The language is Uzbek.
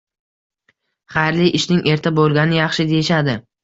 "Xayrli ishning erta bo`lgani yaxshi", deyishadi